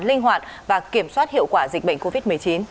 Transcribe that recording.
linh hoạt và kiểm soát hiệu quả dịch bệnh covid một mươi chín